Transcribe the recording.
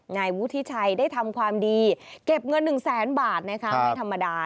นายวุฒิชัยได้ทำความดีเก็บเงิน๑แสนบาทนะคะไม่ธรรมดา